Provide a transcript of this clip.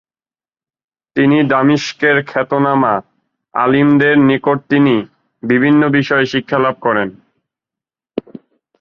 তিনি দামিশকের খ্যাতনামা আলিমদের নিকট তিনি বিভিন্ন বিষয়ে শিক্ষালাভ করেন।